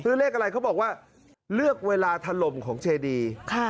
เลขอะไรเขาบอกว่าเลือกเวลาถล่มของเจดี